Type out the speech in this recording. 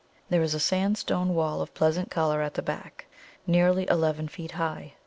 There is a sandstone wall of pleasant colour at the back, nearly eleven feet high.